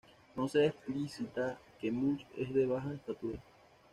No se explícita que Much es de baja estatura.